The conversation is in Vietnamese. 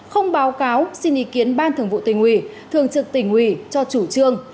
không báo cáo xin ý kiến ban thường vụ tỉnh uỷ thường trực tỉnh uỷ cho chủ trương